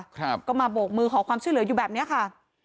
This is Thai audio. ครับก็มาโบกมือขอความช่วยเหลืออยู่แบบเนี้ยค่ะ